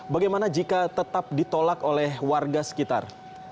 bagaimana jika tetap ditolak oleh warga sekitar